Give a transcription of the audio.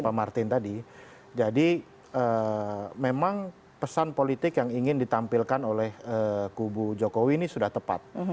pak martin tadi jadi memang pesan politik yang ingin ditampilkan oleh kubu jokowi ini sudah tepat